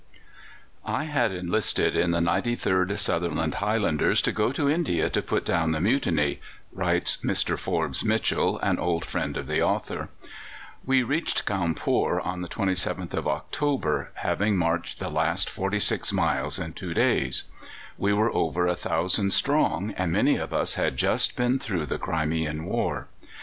"I had enlisted in the 93rd Sutherland Highlanders to go to India to put down the Mutiny," writes Mr. Forbes Mitchell, an old friend of the author. "We reached Cawnpore on the 27th of October, having marched the last forty six miles in two days. We were over 1,000 strong, and many of us had just been through the Crimean War.